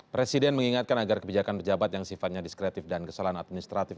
presiden mengingatkan agar kebijakan pejabat yang sifatnya diskretif dan kesalahan administratif